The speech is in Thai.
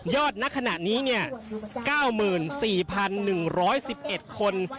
ยอดณขณะนี้เนี่ย๙๔๑๑๑คน